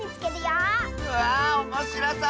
わあおもしろそう！